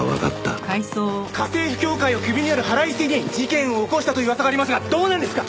家政婦協会をクビになる腹いせに事件を起こしたという噂がありますがどうなんですか！？